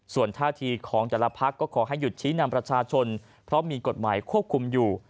ส่วนท่าทีของแต่ละพักก็ขอให้หยุดชี้นำประชาชนเพราะมีกฎหมายควบคุมอยู่